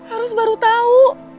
eros baru tau